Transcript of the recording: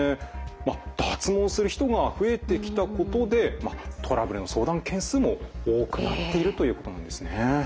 脱毛する人が増えてきたことでトラブルの相談件数も多くなっているということなんですね。